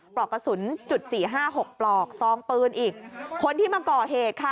ปลอกกระสุนจุดสี่ห้าหกปลอกซองปืนอีกคนที่มาก่อเหตุค่ะ